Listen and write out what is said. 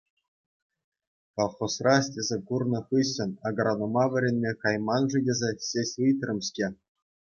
Колхозра ӗҫлесе курнӑ хыҫҫӑн агронома вӗренме кайман-ши тесе ҫеҫ ыйтрӑм-ҫке..